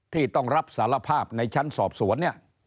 ที่ต้องรับสารภาพในชั้นสอบสวนเนี่ย